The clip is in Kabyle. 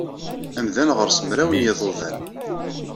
Amdan ɣer-s mraw n yiḍudan.